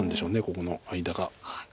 ここの間が。